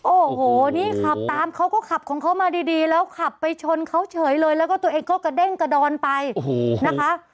โอ้โหนี่ขับตามเขาก็ขับของเขามาดีแล้วขับไปชนเขาเฉยเลยแล้วก็ตัวเองก็กระเด้งกระดอนไปโอ้โหนะคะ